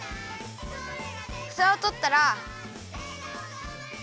ふたをとったら。